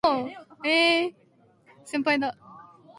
Artwork in the church has been contributed by well known local Santeros.